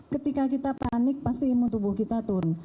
ketika kita panik pasti imun tubuh kita turun